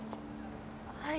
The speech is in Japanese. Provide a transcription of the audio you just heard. はい。